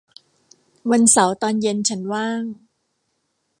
วันเสาร์ตอนเย็นฉันว่าง